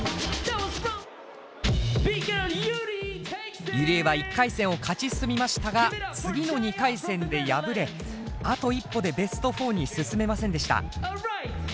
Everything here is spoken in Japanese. ＹＵＲＩＥは１回戦を勝ち進みましたが次の２回戦で敗れあと一歩でベスト４に進めませんでした。